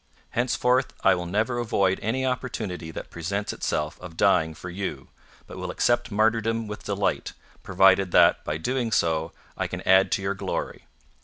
Henceforth, I will never avoid any opportunity that presents itself of dying for You, but will accept martyrdom with delight, provided that, by so doing, I can add to Your glory.